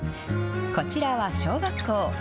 こちらは小学校。